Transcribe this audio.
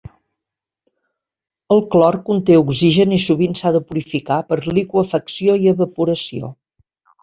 El clor conté oxigen i sovint s'ha de purificar per liqüefacció i evaporació.